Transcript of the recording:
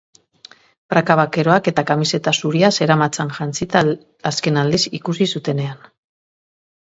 Praka bakeroak eta kamiseta zuria zeramatzan jantzita azken aldiz ikusi zutenean.